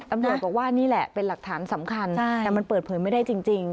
ตำรวจบอกว่านี่แหละเป็นหลักฐานสำคัญแต่มันเปิดเผยไม่ได้จริง